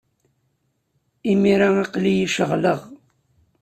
Imir-a, aql-iyi ceɣleɣ.